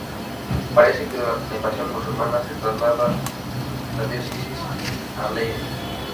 Parece que durante la invasión musulmana se traslada la diócesis a Leyre.